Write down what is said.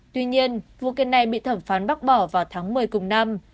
tuy nhiên vụ kiện này bị thẩm phán bác bỏ vào tháng một mươi cùng năm